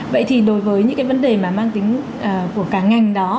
vậy thì đối với những cái vấn đề mà mang tính của cả ngành đó